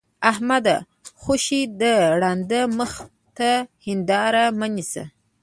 احمده! خوشې د ړانده مخ ته هېنداره مه نيسه.